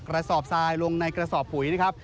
กระสอบทรายลงในกระสอบปุ๋ยนะครับ